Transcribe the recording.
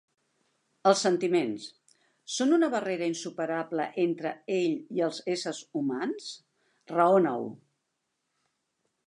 Els sentiments, són una barrera insuperable entre ell i els éssers humans? Raona-ho.